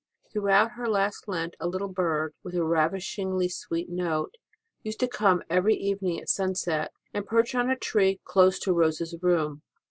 Throughout her last Lent a little bird, with a ravishingly sweet note, used to come every evening at sunset, and perch on a tree close to Rose s room.